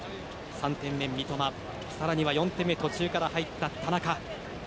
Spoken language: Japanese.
３点目、三笘更には４点目途中から入った田中。